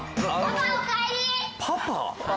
パパ？